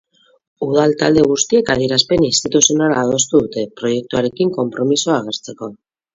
Udal talde guztiek adierazpen instituzionala adostu dute, proiektuarekin konpromisoa agertzeko.